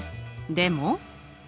でも？